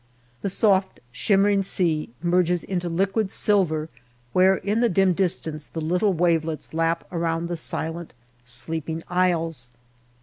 The soft, shimmering sea merges into liquid silver where in the dim distance the little wavelets lap around the silent sleeping isles.